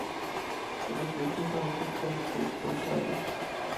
Powierzyliśmy Panu to zadanie tu, w tej sali